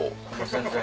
全然。